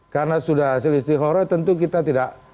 karena sudah selisih horo tentu kita tidak